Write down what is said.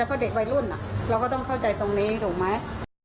เพราะเด็กวัยรุ่นเราก็ต้องเข้าใจตรงนี้ถูกไหม